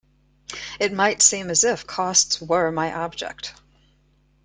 It might seem as if costs were my object.